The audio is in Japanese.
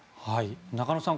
中野さん